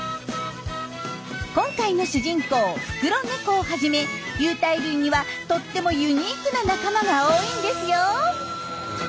今回の主人公フクロネコをはじめ有袋類にはとってもユニークな仲間が多いんですよ。